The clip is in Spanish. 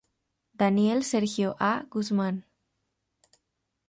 Daniel Sergio A. Guzmán.